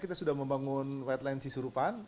kita sudah membangun wetland cisurupan